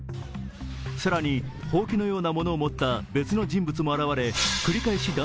更にほうきのようなものを持った別の人物も現れ繰り返し